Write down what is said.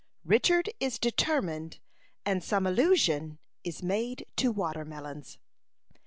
RICHARD IS DETERMINED, AND SOME ALLUSION IS MADE TO "WATERMELONS."